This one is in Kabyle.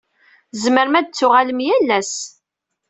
Tzemrem ad tuɣalem yal ass.